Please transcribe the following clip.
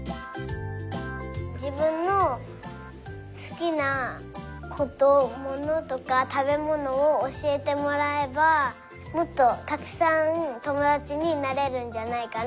じぶんのすきなことものとかたべものをおしえてもらえばもっとたくさんともだちになれるんじゃないかなっておもいます。